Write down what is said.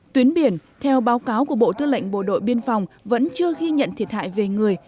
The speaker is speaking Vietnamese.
tuyến biển theo báo cáo của bộ tư lệnh bộ đội biên phòng vẫn chưa ghi nhận thiệt hại về người